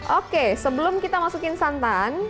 oke sebelum kita masukin santan